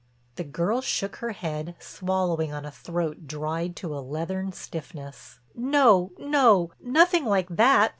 The girl shook her head, swallowing on a throat dried to a leathern stiffness: "No—no—nothing like that.